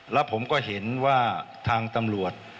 แล้วผมก็เห็นว่าทางตำรวจ